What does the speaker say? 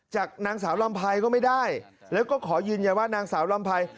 จากนางสาวลำไพรก็ไม่ได้แล้วก็ขอยืนยันว่านางสาวลำไพร